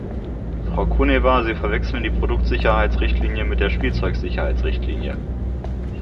Frau Kuneva, Sie verwechseln die Produktsicherheitsrichtlinie mit der Spielzeugsicherheitsrichtlinie!